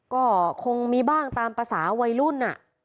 ก็คงมีบ้างตามประสาวัยรุ่นอะ